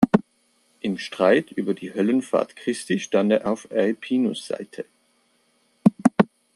Im Streit über die Höllenfahrt Christi stand er auf Aepinus’ Seite.